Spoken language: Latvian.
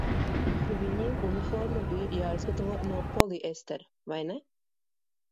Viņiem uniforma bija jāizgatavo no poliestera, vai ne?